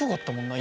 今。